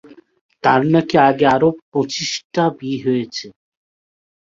তার নাকি আগে আরো পঁচিশটা বিয়ে হয়েছে।